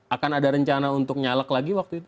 akan ada rencana untuk nyalek lagi waktu itu